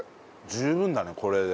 十分だねこれで。